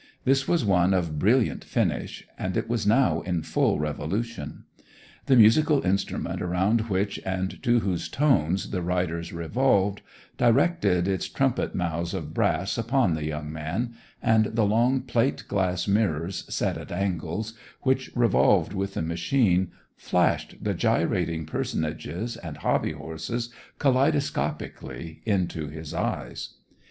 This was one of brilliant finish, and it was now in full revolution. The musical instrument around which and to whose tones the riders revolved, directed its trumpet mouths of brass upon the young man, and the long plate glass mirrors set at angles, which revolved with the machine, flashed the gyrating personages and hobby horses kaleidoscopically into his eyes.